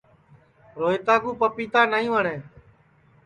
روہیتا کُو پَپیتا نائی وٹؔے